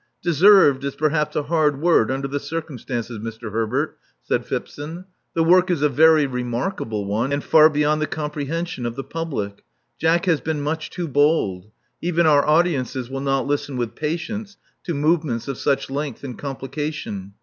Deserved is perhaps a hard word under the cir cumstances, Mr. Herbert," said Phipson. The work is a very remarkable one, and far beyond the com prehension of the public. Jack has been much too bold. Even our audiences will not listen with patience to movements of such length and complica tion.